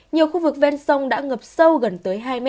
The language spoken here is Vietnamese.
nhiều khu vực ven sông đã ngập sâu gần tới hai m